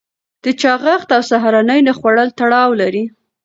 د چاغښت او سهارنۍ نه خوړل تړاو لري.